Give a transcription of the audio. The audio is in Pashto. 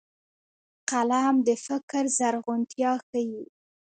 قلم د فکر زرغونتيا ښيي